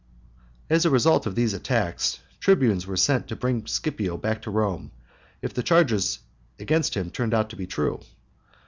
As a result of these attacks, tribunes were sent to bring Scipio back to Rome, if the charges against him should turn out to be true.